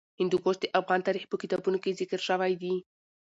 هندوکش د افغان تاریخ په کتابونو کې ذکر شوی دي.